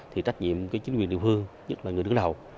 thì trách nhiệm với chính quyền địa phương nhất là người đứng đầu